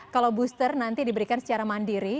kalau booster nanti diberikan secara mandiri